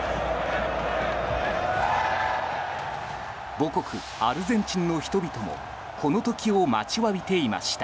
母国アルゼンチンの人々もこの時を待ちわびていました。